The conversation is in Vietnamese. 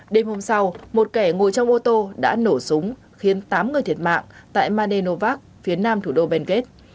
đêm hôm sau một kẻ ngồi trong ô tô đã nổ súng khiến tám người thiệt mạng tại mandenovac phía nam thủ đô bengate